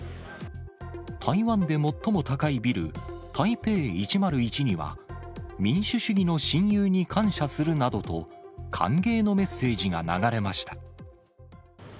台湾で最も高いビル、台北１０１には、民主主義の親友に感謝するなどと、歓迎のメッセージが流れました。